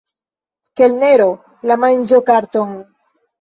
Kelnero, la manĝokarton!